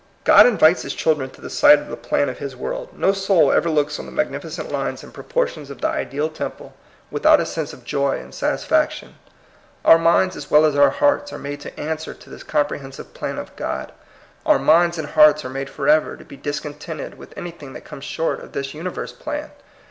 Gt>d invites his children to the sight of the plan of his world. No soul ever looks on the magnificent lines and proportions 202 TEE COMING PEOPLE. • of .the ideal temple without a sense of joy and satisfaction. Our minds as well as our hearts are made to answer to this comprehensive plan of God. Our minds and hearts are made forever to be dis contented with anything that comes short of this universe plan.